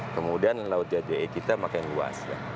kemudian laut jje kita makin luas